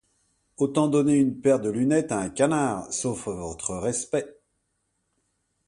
Autant donner une paire de lunettes à un canard, sauf votre respect.